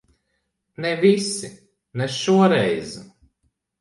Ne visi. Ne šoreiz.